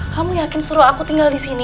kamu yakin suruh aku tinggal disini